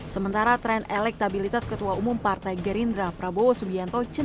sementara tren elektabilitas ketua umum partai gerindra prabowo subianto